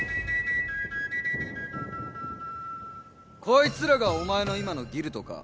こいつらがお前の今のギルドか？